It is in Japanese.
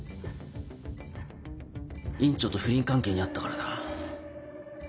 院長と不倫関係にあったからだ。